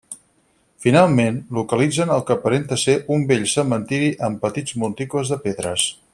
Finalment, localitzen el que aparenta ser un vell cementiri amb petits monticles de pedres.